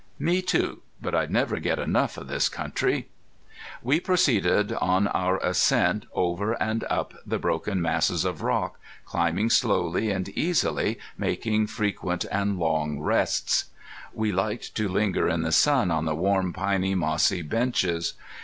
"Me, too! But I'd never get enough of this country." We proceeded on our ascent over and up the broken masses of rock, climbing slowly and easily, making frequent and long rests. We liked to linger in the sun on the warm piny mossy benches.